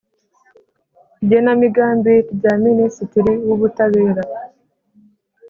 Igenamigambi na Minisitiri w Ubutabera